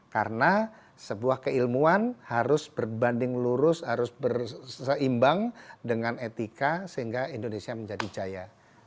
karena sebuah keilmuan harus berbanding lurus harus berseimbang dengan etika sehingga indonesia menjadi jaya